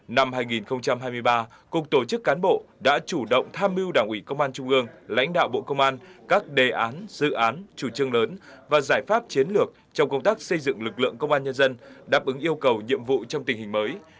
năm hai nghìn hai mươi ba cục tổ chức cán bộ đã chủ động tham mưu đảng ủy công an trung ương lãnh đạo bộ công an các đề án dự án chủ trương lớn và giải pháp chiến lược trong công tác xây dựng lực lượng công an nhân dân đáp ứng yêu cầu nhiệm vụ trong tình hình mới